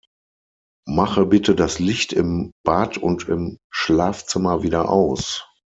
Mache bitte das Licht im Bad und im Schlafzimmer wieder aus!